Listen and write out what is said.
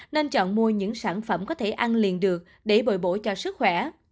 nên chọn mua những sản phẩm có thể ăn liền được để bồi bổ cho sức khỏe